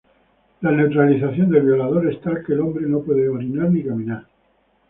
La neutralización del violador es tal, que el hombre no puede orinar ni caminar.